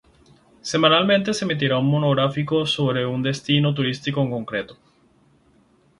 Semanalmente, se emitía un monográfico sobre un destino turístico concreto.